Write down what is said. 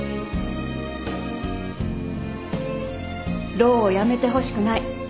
ローを辞めてほしくない。